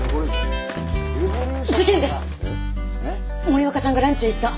森若さんがランチへ行った！